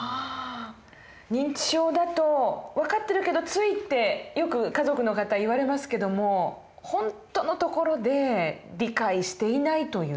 認知症だと分かってるけどついってよく家族の方言われますけども本当のところで理解していないという。